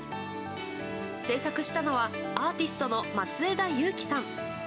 制作したのはアーティストの松枝悠希さん。